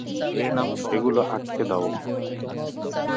ওগুলো আটকে দাও।